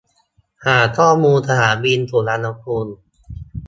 หาข้อมูลสนามบินสุวรรณภูมิ